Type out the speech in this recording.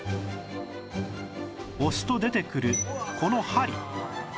押すと出てくるこの針